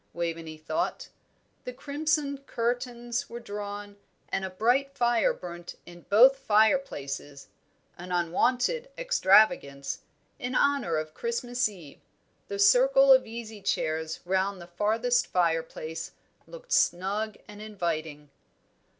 Waveney thought. The crimson curtains were drawn, and a bright fire burnt in both the fireplaces an unwonted extravagance in honour of Christmas Eve; the circle of easy chairs round the farthest fireplace looked snug and inviting.